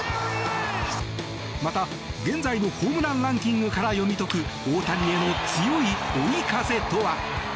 また、現在のホームランランキングから読み解く大谷への強い追い風とは。